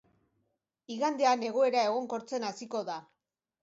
Igandean egoera egonkortzen hasiko da.